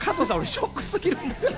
ショックすぎるんですけど。